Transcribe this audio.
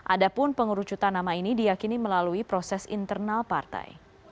ada pun pengurucutan nama ini diakini melalui proses internal partai